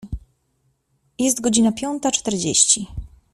Jest godzina piąta czterdzieści.